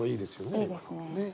いいですね。